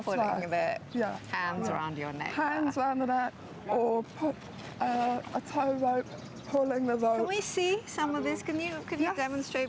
atau memasukkan jari atau memasukkan kaki